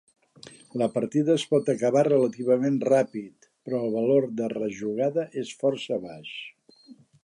La partida es pot acabar relativament ràpid, però el valor de rejugada és força baix.